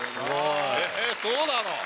そうなの？